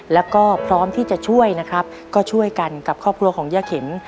แล้วก็พร้อมที่จะช่วยนะครับก็ช่วยกันกับครอบครัวของย่าเข็ม